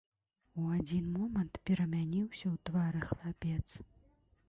У адзін момант перамяніўся ў твары хлапец.